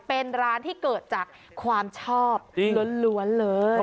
เป็นร้านที่เกิดจากความชอบล้วนเลย